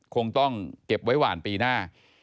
คงต้องเก็บไว้หวานปีหน้า